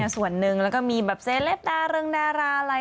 ส่วนนึงแล้วก็มีแบบแซเลฟไดรันะราอะไร